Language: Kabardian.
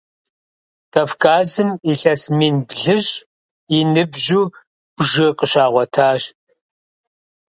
Кавказым илъэс мин блыщӏ и ныбжьу бжы къыщагъуэтащ.